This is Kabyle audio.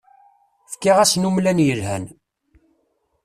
Fkiɣ-asen umlan yelhan.